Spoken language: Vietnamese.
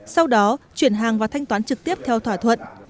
sau đó chuyển hàng và thanh toán trực tiếp theo thỏa thuận